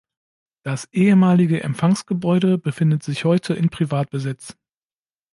Das ehemalige Empfangsgebäude befindet sich heute in Privatbesitz.